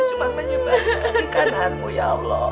cuma menyebarkan ikananmu ya allah